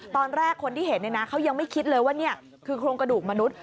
ตอนแรกคนที่เห็นเขายังไม่คิดเลยว่านี่คือโครงกระดูกมนุษย